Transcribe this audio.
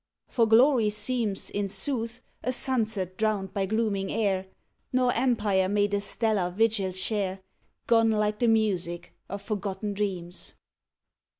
For glory seems, In sooth, a sunset drowned by glooming air, Nor empire may the stellar vigil share Gone like the music of forgotten dreams!